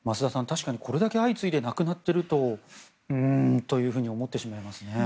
確かにこれだけ相次いで亡くなっているとうーんと思ってしまいますね。